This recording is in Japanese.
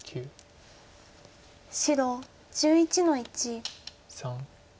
白１１の一。